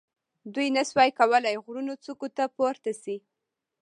دوی نه شوای کولای غرونو څوکو ته پورته شي.